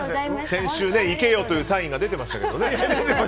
先週、行けよというサインが出てましたけどね。